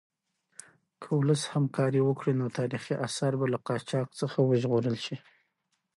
که ولس همکاري وکړي نو تاریخي اثار به له قاچاق څخه وژغورل شي.